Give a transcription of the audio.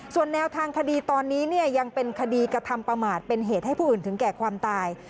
ส่วนแนวทางคดีตอนนี้เนี่ยยังเป็นคดีกระทำประมาทเป็นเหตุให้ผู้อื่นถึงแก่ความตาย